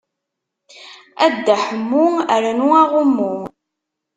A Dda Ḥemmu rnu aɣummu.